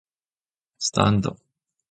スタンド